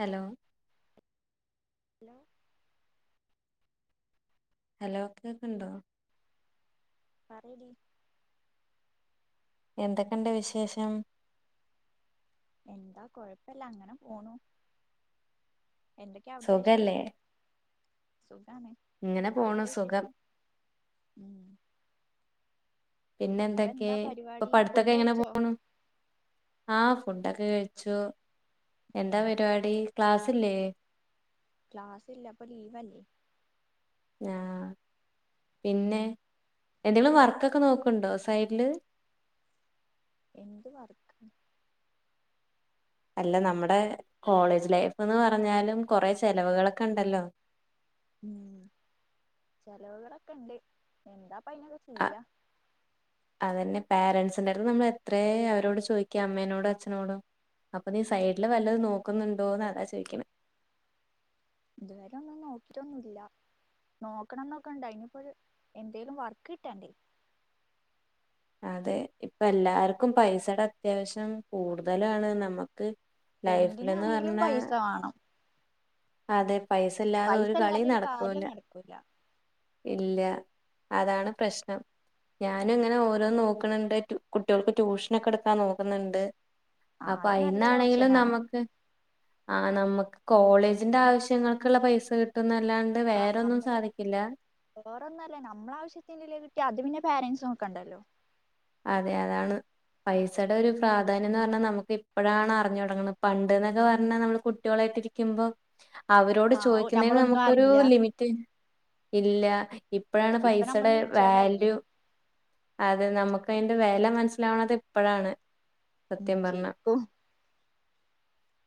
Hello hello hello കേക്ക്ണ്ടോ പറയടീ എന്തൊക്കെണ്ട് വിശേഷം? എന്താ കൊഴപ്പല്ല അങ്ങനെ പോണു എന്തൊക്കെ അവിടുത്തെ സുഖല്ലേ വിശേഷം സുഖാണ് ഇങ്ങനെ പോണു അവിടുത്തെ സുഖം വിശേഷം ഉം പിന്നെ ഇപ്പ എന്തൊക്കെ എന്താ ഇപ്പൊ പരിപാടി ഫുഡ് പഠിത്തൊക്കെ എങ്ങനെ കഴിച്ചോ പോണു ആഹ് ഫുഡൊക്കെ കഴിച്ചു ഉം എന്താ പരിപാടി ക്ലാസ്ലില്ലേ ക്ലാസ് ഇല്ല ഇപ്പൊ ലീവല്ലെ ആഹ് പിന്നെ എന്തെങ്കിലും വർക്കൊക്കെ നോക്ക്ണ്ടോ സൈഡില് എന്ത് വർക്ക് അല്ല നമ്മുടെ കോളേജ് ലൈഫ്ന്ന് പറഞ്ഞാലും കൊറേ ചെലവുകളൊക്കെ ഇണ്ടല്ലോ ഉം ചെലവുകളൊക്കെ ഉണ്ട് എന്താ ഇപ്പൊ അയിനൊ അ അതന്നെ പാരൻസിന്റടുത്ത് നമ്മളെത്രേ അവരോട് ചോയ്ക്കാ അമ്മേനോടും അച്ഛനോടും അപ്പൊ നീ സൈഡില് വല്ലതും നോക്കുന്നുണ്ടോന്ന് അതാ ചോയിക്കണേ ഇതുവരെ ഒന്നും നോക്കിട്ടൊന്നുല്ല നോക്കണന്നൊക്കെ ഉണ്ട് അയിനിപ്പോര് എന്തേലും വർക്ക് കിട്ടണ്ടേ അതെ ഇപ്പൊ എല്ലാർക്കും പൈസടെ അത്യാവശ്യം കൂടുതലാണ് നമ്മക്ക് ലൈഫിലന്ന് എന്തിനാണെങ്കിലും പറഞ്ഞ പൈസ വേണം അതെ പൈസല്ലാതെ പൈസ ഒരു കളി ഇല്ലാതെ കാര്യം നടക്കൂല നടക്കൂല ഇല്ല്യ അതാണ് പ്രശ്നം ഞാനുങ്ങനെ ഓരോന്ന് നോക്കണണ്ട് റ്റു കുട്ട്യോൾക്ക് ട്യൂഷനൊക്കെ ഇട്ക്കാൻ നോക്കുന്നുണ്ട് ആ അപ്പ അത് നല്ലൊരു അയിന്നാണെങ്കിലും ഓപ്ഷനാണ് നമക്ക് ആ നമ്മക്ക് കോളേജിന്റെ ആവശ്യങ്ങൾക്കുള്ള പൈസ കിട്ടുന്നല്ലാണ്ട് ആഹ് നമ്മടെ വേറൊന്നല്ല നമ്മളാവിശ്യത്തിനുള്ളത് കിട്ടിയാ അത് പിന്നെ പാരൻസ് നോക്കണ്ടല്ലോ അതെ അതാണ് പൈസടെ ഒരു പ്രാധാന്യം എന്ന് പറഞ്ഞ നമുക്ക് ഇപ്പഴാണ് അറിഞ്ഞു തൊടങ്ങണ് പണ്ട്ന്നൊക്കെ പറഞ്ഞാ നമ്മള് കുട്ട്യോളായിട്ടിരി ക്കുമ്പോ അവരോട് ആഹ് ചോദിക്കുന്നതിന് നമ്മളൊന്നും നമുക്കൊരു അറിയില്ല ലിമിറ്റ് ഇല്ല ഇപ്പഴാണ് ഇപ്പൊ നമ്മള് പൈസടെ മെച്ചേർഡ് ആയില്ലേ വാല്യൂ അതെ നമുക്ക് അയിന്റെ വെല മനസ്സിലാവണത് ഇപ്പഴാണ് ഉം സത്യം പറഞ്ഞ ശരിക്കും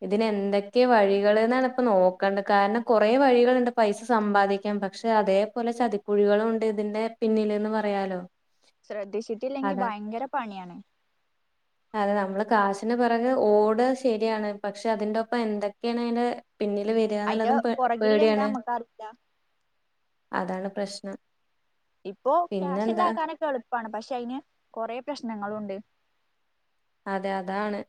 ഇതിനെന്തൊക്കെ വഴികള്ന്നാണ് ഇപ്പ നോക്കണ്ട് കാരണം കൊറെ വഴികള്ണ്ട് പൈസ സമ്പാദിക്കാൻ പക്ഷെ അതേപോലെ ചതിക്കുഴികളുണ്ട് ഇതിന്റെ പിന്നില്ന്ന് പറയാലോ ശ്രദ്ധിച്ചിട്ടില്ലെങ്കി അതെ ഭയങ്കര പണിയാണ് [inaudible] അതെ നമ്മള് കാശിന് പെറകെ ഓട ശരിയാണ് പക്ഷെ അതിന്റൊപ്പം എന്തൊക്കെയാണ് അയിന്റെ പിന്നില് അയിന്റെ വരാന്നുള്ളതും പെ പുറകിൽ എന്താ പേടിയാണ് നമ്മക്കറിയില്ല അതാണ് പ്രശ്നം ഇപ്പോ പിന്നെന്താ ക്യാഷ്ണ്ടാക്കാനൊക്കെ എളുപ്പാണ് പക്ഷെ അയിന് കുറെ പ്രശ്നങ്ങളുണ്ട് അതെ അതാണ്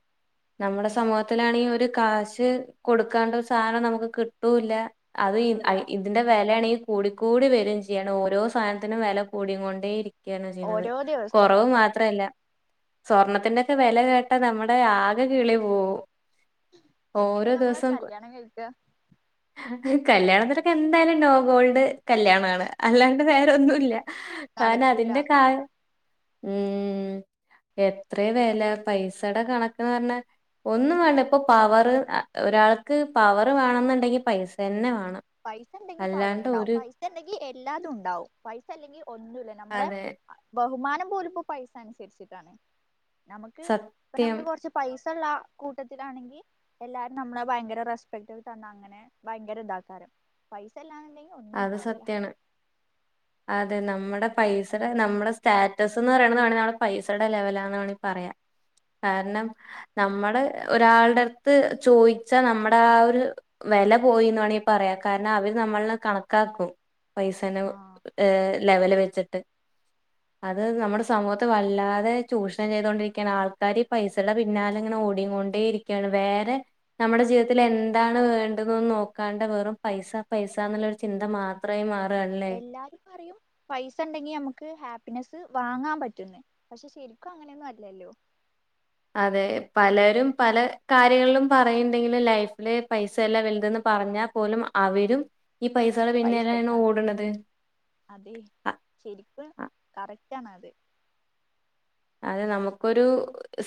നമ്മടെ സമൂഹത്തിലാണെങ്കി ഒരു കാശ് കൊടുക്കാണ്ട് ഒരു സാധനം നമുക്ക് കിട്ടൂല്ല അത് ഈ കിട്ടൂല്ല അത് ഇ തിന്റെ വെലയാണെങ്കി കൂടിക്കൂടി വരും ചെയ്യാണ് ഓരോ സാനത്തിനും വെല കൂടി കൊണ്ടേ ഇരി യാണ് ചെയ്യുന്നത് ഓരോ ദിവസവും കൊറവ് മാത്രല്ല സ്വർണത്തിന്റെ ക്കെ വെല കേട്ടാ നമ്മുടെ ആകെ കിളി പോവും ഓരോ എങ്ങനേണ് നമ്മള് ദിവസം കല്യാണം കഴിക്ക കല്യാണത്തിനൊക്കെ എന്തായാലും നോ ഗോൾഡ് കല്യാണാണ് അല്ലാണ്ട് വേറെന്നുല്ല കാരണം നടക്കൂല അതിന്റെ ക ഉം എത്രേ വ അല്ല പൈസടെ കണക്ക്‌ന്ന് പറ്ഞ്ഞാ ഒന്നും വേണ്ട ഇപ്പൊ പവറ് അ ഒരാൾക്ക് പവർ വേണന്നുണ്ടെങ്കി പൈസന്നെ വേണം പൈസണ്ടെങ്കി അല്ലാണ്ട് പവറ്ണ്ടാവും ഒരു പൈസണ്ടെങ്കി എല്ലാതുണ്ടാവും പൈസല്ലെങ്കിൽ ഒന്നുല്ല നമ്മളെ അതെ ബഹുമാനം പോലുപ്പോ പൈസ അനുസരിച്ചിട്ടാണ് നമുക്ക് ഇപ്പ സത്യം നമ്മള് കൊർച്ച് പൈസള്ള കൂട്ടത്തിലാണെങ്കി എല്ലാരും നമ്മളെ ഭയങ്കര റെസ്പെക്ടൊക്കെ തന്നങ്ങനെ ഭയങ്കരതാക്കാരം പൈസല്ലാന്നുണ്ടങ്കി അത് സത്യാണ് അതെ നമ്മടെ പൈസടെ നമ്മടെ സ്റ്റാറ്റസ് എന്ന് പറയണത് വേണെ നമ്മളെ പൈസടെ ലെവലാണ്ന്ന് വേണി പറയാ കാരണം നമ്മള് ഒരാളടെടുത്ത് ചോയിച്ചാ നമ്മടെ ആ ഒരു വെല പോയിന്ന് വേണെങ്കി പറയാ കാരണം അവര് നമ്മള്നെ കണക്കാക്കും പൈസനെ ഏഹ് ലെവല് വെച്ചിട്ട് അത് നമ്മടെ സമൂഹത്തെ വല്ലാതെ ചൂഷണം ചെയ്തുകൊണ്ടിരിക്കയാണ് ആൾക്കാര് പൈസടെ പിന്നാലെ ഇങ്ങനെ ഓടി കൊണ്ടേ ഇരിക്കാണ് ക്കെയാണ് വേറെ നമ്മുടെ ജീവിതത്തിൽ എന്താണ് വേണ്ടതന്ന് നോക്കാണ്ട് വെറും പൈസ പൈസ എന്നുള്ളരു ചിന്ത മാത്ര അത്രയും മാറല്ലേ എല്ലാരും പറയും പൈസ ഉണ്ടെങ്കി നമുക്ക് ഹാപ്പിനെസ്സ് വാങ്ങാൻ പറ്റുന്നു പക്ഷെ ശരിക്കും അങ്ങനെയൊന്നും അല്ലല്ലോ അതെ പലരും പല കാര്യങ്ങളിലും പറയ്ണ്ടെങ്കിലും ലൈഫില് പൈസയല്ലാം വലുതെന്ന് പറഞ്ഞാൽ പോലും അവരും ഈ പൈസകള പിന്നരാണ് പൈസക്കാണ് ഓട്ണത് അതെ ശരിപ്പ് കറക്റ്റ് ആണ് അത് അതെ നമുക്കൊരു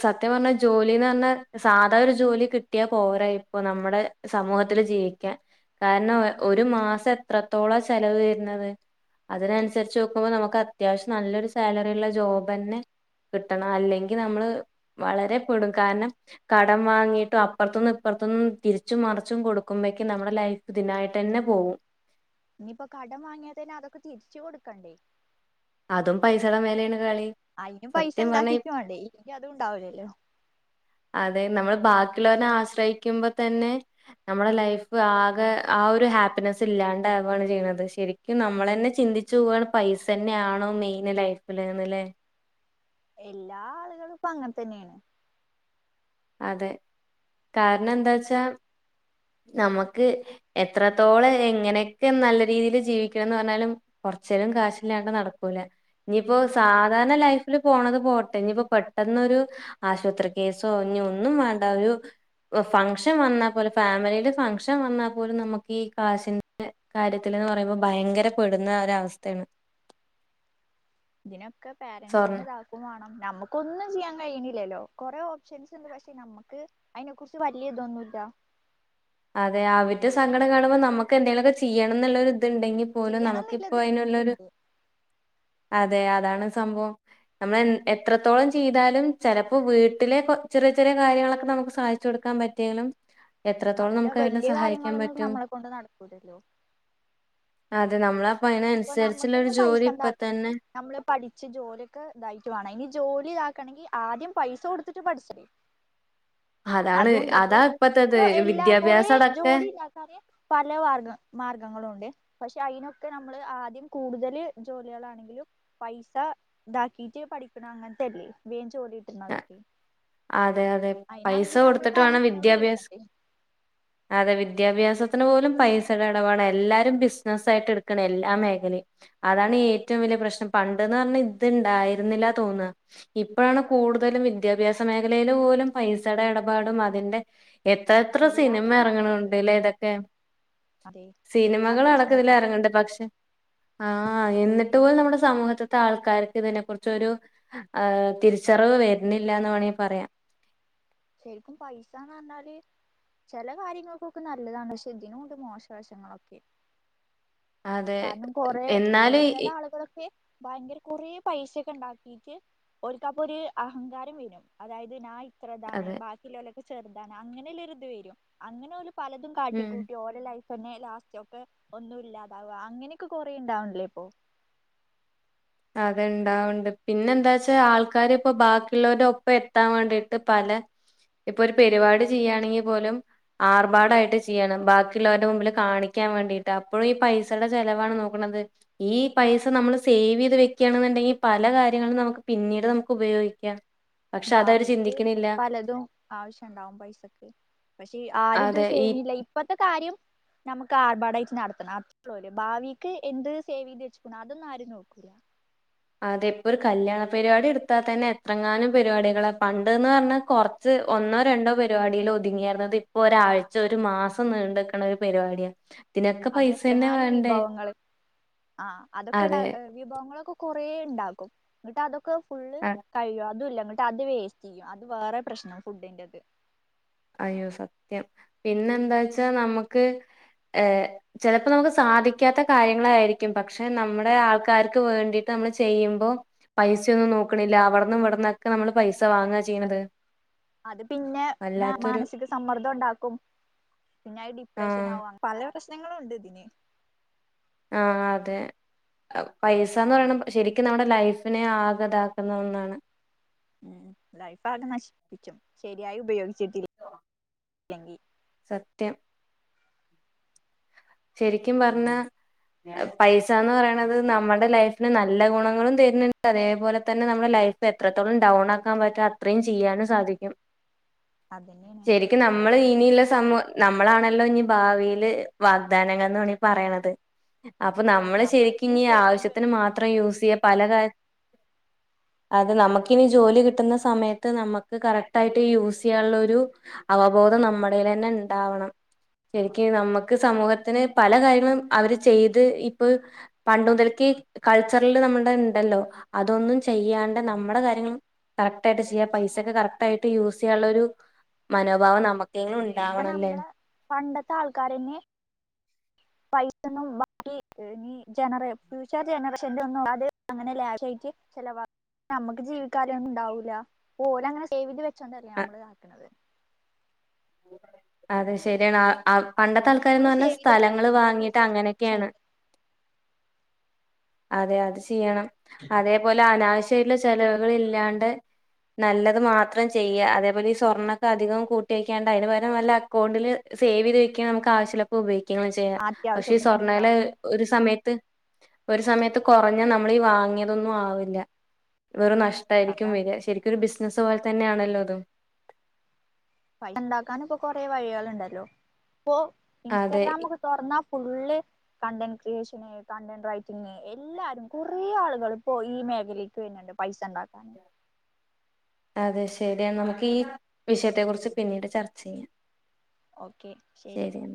സത്യം പർഞ്ഞാൽ ജോലിന്ന് പറഞ്ഞാ സാധാ ഒരു ജോലി കിട്ടിയാൽ പോരാ ഇപ്പൊ നമ്മുടെ സമൂഹത്തിൽ ജീവിക്കാൻ കാരണം ഒരു മാസം എത്രത്തോളം ചെലവ് വരുന്നത് അതിനനുസരിച്ച് നോക്കുമ്പോൾ നമുക്ക് അത്യാവശ്യം നല്ലൊരു സാലറി ഉള്ള ജോബന്നെ കിട്ടണം അല്ലെങ്കിൽ നമ്മള് വളരെ പെടും കാരണം കടം വാങ്ങിയിട്ടും അപ്പർത്ത്ന്നും ഇപ്പർത്ത്ന്നും തിരിച്ചും മറിച്ചും കൊടുക്കുമ്പേക്കും നമ്മുടെ ലൈഫ് ഇതിനായിട്ടന്നെ പോവും ഇനിയിപ്പോ കടം വാങ്ങിയാതനെ അതൊക്കെ തിരിച്ചു കൊടുക്കണ്ടേ അതും പൈസടെ മേലെയാണ് കളി അയ്നും പൈസ സത്യം പറഞ്ഞാ ഈ ഉണ്ടാക്കിയിട്ട് വാണ്ടേ എനിക്ക് അതും ഉണ്ടാവ്ലല്ലോ അതെ നമ്മൾ ബാക്കിയുള്ളോരെ ആശ്രയിക്കുമ്പോ തന്നെ നമ്മളെ ലൈഫ് ആകെ ആ ഒരു ഹാപ്പിനെസ്സ് ഇല്ലാണ്ടആവാണ് ചെയ്യുന്നത് ശരി ക്ക് നമ്മളെന്നെ ചിന്തിച്ചു പോവാണ് പൈസന്നെ ആണോ മെയിൻ ലൈഫില്ന്ന് ല്ലേ എല്ലാ ആളുകളും ഇപ്പ അങ്ങൻ തന്നെയാണ് അതെ കാരണം എന്താ വച്ചാ നമക്ക് എത്രത്തോളം എങ്ങനെയൊക്കെ നല്ല രീതിൽ ജീവിക്കണംന്ന് പറഞ്ഞാലും കുറച്ചേരം കാശില്ലാണ്ട് നടക്കൂല ഇനിയിപ്പോ നടക്കൂല സാധാരണ ലൈഫ് പോണത് പോട്ടെ ഇനിപ്പോ പെട്ടെന്നൊരു ആശുപത്രി കേസോ ഇനി ഒന്നും വേണ്ട ഒരു ഫംഗ്ഷൻ വന്നാൽ പോലെ ഫാമിലിയില് ഫംഗ്ഷൻ വന്നാൽ പോലും നമുക്ക് ഈ കാശിന്റെ കാര്യത്തിന്ന് പറയുമ്പോൾ ഭയങ്കരപ്പെടുന്ന ഒരവസ്ഥയാണ് ഇതിനൊക്കെ സ്വർണ്ണ പേരൻറ്സ്ന്നെ വേണം നമുക്കൊന്നും ചെയ്യാൻ കഴിയണില്ലല്ലോ കൊറെ ഓപ്ഷൻസ് ഉണ്ട് പക്ഷെ നമുക്ക് അതിനെ കുറിച്ച് വലിയതൊന്നും ഇല്ല അതെ അവരുടെ സങ്കടം കാണുമ്പോൾ നമുക്ക് എന്തെങ്കിലുമൊക്കെ ചെയ്യണം എന്നുള്ള ഒരിത്ണ്ടെങ്കിൽ പോലും നമുക്കിപ്പോ ചെയ്യണംന്നില്ലത് അതിനുള്ളരു ഉണ്ട് അതെ അതാണ് സംഭവം നമ്മൾ എ എത്രത്തോളം ചെയ്താലും ചിലപ്പോ വീട്ടിലെ ചെറിയ ചെറിയ കാര്യങ്ങളൊക്കെ നമുക്ക് സാധി ച്ച് കൊടുക്കാൻ പറ്റിയാലും എത്ര അതല്ലോ വലിയ കാര്യങ്ങളൊന്നും നമ്മളെ കൊണ്ട് നടക്കൂല്ലല്ലോ അതെ നമ്മളപ്പ അതിന ഇപ്പൊ അനുസരിച്ചുള്ളൊ ഒരു നമ്മുക്കന്നെ പൈസ ജോലി ഇപ്പ തന്നെ ഉണ്ടാക്കണമെങ്കിൽ നമ്മള് പഠിച്ച് ജോലിയൊക്കെ ഇതായിട്ട് വേണം ഇനി ജോലി ഇതാക്കണമെങ്കി ആദ്യം പൈസ കൊടുത്തിട്ട് പഠിച്ച അതാണ് അതാ ഇപ്പത്തത് ഇപ്പൊ എല്ലാ കൊറേ വിദ്യാഭ്യാസം അടക്കെ ജോലി ഉണ്ടാക്കാന് പല മാഗ മാർഗങ്ങളും ഉണ്ട് പക്ഷെ അതിനൊക്കെ ന നമ്മള് ആദ്യം കൂടുതല് ജോലികളാണെങ്കിലും പൈസ ഇതാക്കിട്ട് പഠിക്കണം അങ്ങനത്തെല്ലേ വേ ജോലിട്ടുന്ന തൊക്കെ അതെ അതെ പൈസ നമ്മള് കൊടുത്തിട്ട് വേണം പാരൻസിനോട് വിദ്യാഭ്യാസം ചോദിച്ചണ്ടേ അതെ വിദ്യാഭ്യാസത്തിന് പോലും പൈസയുടെ ഇടവാടാണ് എല്ലാരും ബിസിനസ്സ ആയിട്ട് എടുക്കണ എല്ലാ മേഖലയും അതാണ് ഏറ്റവും വലിയ പ്രശ്നം പണ്ടന്ന് പറഞ്ഞ ഇത്ണ്ടായിരുന്നില്ല തോന്നുന്നത് ഇപ്പോഴാണ് കൂടുതലും വിദ്യാഭ്യാസ മേഖലയിൽ പോലും പൈസയുടെ ഇടപാടും അതിന്റെ എത്ര എത്ര സിനിമ എല്ലാതും ബിസിനസ് ഇറങ്ങണണ്ട്ല്ലേ ഇതൊക്കെ അതെ സിനിമകള എല്ലാതും അടക്ക ഇതില് ബിസിനസാണ് ഇപ്പോ ഇറങ്ങ്ണ്ട് പക്ഷെ ആഹ് എന്നിട്ട് പോലും നമ്മുടെ സമൂഹത്തിത്തെ ആൾക്കാർക്ക് ഇതിനെ കുറിച്ചൊരു ആ തിരിച്ചറിവ് വരുന്നില്ല എന്ന് വേണമെങ്കിൽ പറയാം ശരിക്കും പയിസാന്നറഞ്ഞാല് ചെലെ കാര്യങ്ങൾക്കൊക്കെ നല്ലതാണ് പക്ഷേ ഇതിനുണ്ട് മോശവശങ്ങളൊക്കെ അതെ കാരണം കൊറെ എന്നാല് ചെല ആളുകളൊക്കെ ഭയങ്കര കൊറെ പൈസൊക്കെ ഇണ്ടാക്കിട്ട് ഒര് ക്കപ്പൊര് അഹങ്കാരം വരും അതായത് നായ് ഇ ത്രതാണ് അതെ ബാക്കിയുള്ളലൊക്കെ ചെറുതാണ് അങ്ങനെല്ലരുത് വരും അങ്ങനോല് പലതും ഉം കാട്ടിക്കൂട്ടി ഓ ലൈഫന്നെ ലാസ്റ്റ് ഒക്കെ ഒന്നും ഇല്ലാതാവ അങ്ങനൊക്കെ കൊറേ ഇണ്ടാവണില്ലേ ഇപ്പോ അതെ ഇണ്ടാവ്ണ്ട് പിന്നെ എന്താച്ചാ ആൾക്കാര് ഇപ്പൊ ബാക്കിള്ളോരൊപ്പം എത്താം വേണ്ടീട്ട് പല ഇപ്പൊര് പെരുപാടി ചെയ്യാണെങ്കി പോലും ആർഭാടായിട്ട് ചിയ്യണം ബാക്കിയുള്ളവരുടെ മുമ്പില് കാണിക്കാൻ വേണ്ടിട്ട് അപ്പോഴും ഈ പൈസയുടെ ചെലവാണ് നോക്കണത് ഈ പൈസ നമ്മള് സേവീ ത് വെക്കാണ്ന്ന്ണ്ടെങ്കി പല കാര്യങ്ങളും നമുക്ക് പിന്നീട് നമുക്ക് ഉപയോഗിക്കാം പക്ഷെ അതവര് ഭാവിക്ക് ചിന്തിക്കണില്ല പലതും ആവശ്യണ്ടാവും പൈസക്ക് പക്ഷേ ആരുത് അതെ ഈ സേവ്നില്ല ഇപ്പത്തെ കാര്യം നമുക്ക് ആർബാഡായിട്ട് നടത്തണം അതൊള്ളൂ അറിയ ഭാവീക്ക് എന്ത് സേവീത് വെച്ച്ക്കുണോ അതൊന്നും ആരും നോക്കൂല്ല അതെ ഇപ്പൊരു കല്യാണ പരിപാടി എടുത്ത തന്നെ എത്രങ്ങാനും പരിപാടികളാ പണ്ട്ന്ന് പറഞ്ഞാ കൊറ ഇത് ഒന്നോ രണ്ടോ പരിപാടിയിലൊ തുങ്ങിയിരുന്നത് ഇപ്പൊ ഒരാഴ്ച ഒരു മാസം നീണ്ടക്ക്ണ ഒരു പരിപാടിയ അത് എത്രങ്ങാനും വിഭവങ്ങള് ആഹ് അതൊക്കെണ് അതെ വിഭവങ്ങളൊക്കെ കൊറേ ഇണ്ടാക്കും ഇന്ന്ട്ട് അതൊക്കെ ഫുള്ള് അ- കഴിയോ അതുല്ല ഇങ്ങ ട്ട് അത് വേസ്റ്റ്യ്യും അത് വേറൊരു പ്രശ്നം ഫുഡിന്റത് അയ്യോ സത്യം പിന്നെന്താച്ചാ നമ്മക്ക് ഏഹ് ചെലപ്പോ നമുക്ക് സാധിക്കാത്ത കാര്യങ്ങളായിരിക്കും പക്ഷെ നമ്മുടെ ആൾക്കാർക്ക് വേണ്ടിയിട്ട് നമ്മള് ചെയ്യുമ്പോ പൈസൊന്നും നോക്കണില്ല അവിട്ന്നും ഇവിടന്നൊക്കെ നമ്മള് പൈസ വാങ്ങ ചെയ്യണത് അത് പിന്നെ വല്ലാത്തൊരു മാനസിക സമ്മർ തം ഇണ്ടാക്കും പിന്നെ അത് ആഹ് ഡിപ്രഷനാവും അ പല പ്രശ്നങ്ങളും ഉണ്ട് ഇതിന് ആഹ് അതെ പൈസാന്ന് പറയണ് ശരിക്കും നമ്മുടെ ലൈഫിനെ ആഗതാക്കുന്ന ഒന്നാണ്. ഉം ലൈഫാകെ നശിപ്പിക്കും ശരിയായി ഉപയോഗിച്ചിട്ടല്ലെങ്കി സത്യം ശരിക്കും പറഞ്ഞ പൈസാന്ന് പറയണത് നമ്മുടെ ലൈഫിന് നല്ല ഗുണങ്ങളും തരുന്ന്ണ്ട് അതേപോലെ തന്നെ നമ്മുടെ ലൈ പ്പ എത്രത്തോളം ചിത്തതുണ്ട് ഡൗൺ ആക്കാൻ പറ്റാ അത്രയും ചെയ്യാനും സാധിക്കും അതന്നേണ് നമ്മളെ ഇനിയുള്ള സമൂ നമ്മളാണല്ലോ ഇഞ് ഭാവീല് വ ഗ് ദാനങ്ങ ൾ വേനങ്ങനെണി പറയ്ണത് അപ്പൊ നമ്മള് ശരിക്കും നമ്മളെങ്കിലും സേവ് ചെയ്ത് ആവശ്യത്തിന് വെക്കും. മാത്രം യൂസിയ്യ പല കാ അത് നമുക്കിനി ജോലി കിട്ടുന്ന സമയത്ത് നമ്മക്ക് കറക്റ്റായിട്ട് യൂസിയ്യാള്ളൊരു. അവബോധം നമ്മളിലെന്നെ ഇണ്ടാവണം ശരിക് നമ്മക്ക് സമൂഹ തിന് പല കാര്യങ്ങളും അവര് ചെയ്ത് ഇപ്പ് പണ്ട് മുതൽക്കെ കൾച്ചർല് നമ്മടെ ഇണ്ടല്ലോ അതൊന്നും ചെയ്യാണ്ടെ നമ്മടെ കാര്യങ്ങളും കറക്റ്റായിട്ട് ചെയ്യ പൈസൊക്കെ കറക്റ്റായിട്ട് യൂസ്യ്യാള്ളൊരു മനോഭാവം നമുക്കെങ്കിലും ഇ ഇപ്പൊ നമ്മളെ പണ്ടത്തെ ആൾക്കാരന്നെ [inaudible] പൈസൊന്നും ബാക്കി ഈ ജനറ ഫ്യൂച്ചർ ജനറേഷന്റൊന്നും അത് അങ്ങനെ ലാഷയിട്ട് ചെലവാ അമ്മക്ക് ജീവിക്കാനൊന്നും ഇണ്ടാവൂല ഇപ്പോലങ്ങനെ സേവിത് വെചോണ്ടല്ലേ അ അമ്മള് ആക്ക്ണത് അതെ ശരിയാണ് പണ്ടത്തെ അതുപോലെ നമ്മളും ആൾക്കാരന്നറഞ്ഞാ സേവ് ചെയ്ത് വെക്കണം സ്ഥലങ്ങള് നമ്മളെ വാങ്ങീട്ട് ഫ്യൂച്ചർ ജനറേഷൻ അങ്ങനൊക്കെയാണ് അതെ അത് ചെയ്യണം അതേപോലെ അനാവശ്യായിട്ട്ള്ള ചെലവുകള് ഇല്ലാണ്ട് നല്ലത് മാത്രം ചെയ്യ അതേപോലെ ഈ സ്വർണ്ണൊക്കെ അധികം കൂട്ടി വെക്കാണ്ട അയിന്പകരം വല്ല അകൗണ്ടില് സേവീത് വെക്ക അമുക്ക് ആവശ്യല്ല ഇപ്പ ഉപയോഗിക്കങ്ങനെ ചെയ്യാ പക്ഷെ ഈ അത്യാവശ്യത്തിന് എടുക്കാ സ്വർണ്ണേല ഒരു സമയത്ത് ഒരു സമയത്ത് കൊറഞ്ഞ നമ്മളീ വാങ്ങിയതൊന്നും ആവില്ല വെറും നഷ്ടായിരിക്കും അതാണ് വര ശരി ക്കും ഒരു ബസിനസ് പോലെ തന്നെയണല്ലോതും പ ഉണ്ടാക്കാന ഇപ്പോ കൊറെ വഴികൾ ളുണ്ടല്ലോ ഇപ്പൊ അതെ ഇൻസ്റ്റാഗ്രാമ ഒക്കെ തൊർന്നാ full content creation content writing എല്ലാരും കുറേ ആളുകൾ ഇപ്പോ ഈ മേഖലയില് ണ്ട് പൈസ ഉണ്ടാക്കാന് അതെ ശരിയാണ് നമുക്ക് ഈ വിഷയത്തെ കുറിച്ച് പിന്നീട് ചർച്ച ചെയ്യാം ഓക്കെ ശരി ശരിയെന്നാ